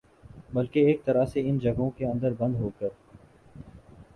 بلکہ ایک طرح سے ان جگہوں کے اندر بند ہوکر